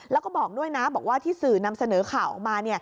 แล้วก็บอกด้วยนะบอกว่าที่สื่อนำเสนอข่าวออกมา